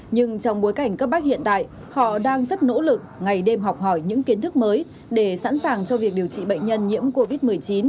nhưng trong bối cảnh các bác hiện tại họ đang rất nỗ lực ngày đêm học hỏi những kiến thức mới để sẵn sàng cho việc điều trị bệnh nhân nhiễm covid một mươi chín